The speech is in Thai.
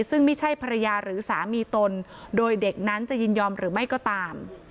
ซึ่งไม่ใช่ภรรยาหรือสามีตนโดยเด็กนั้นจะยินยอมหรือไม่ก็ตาม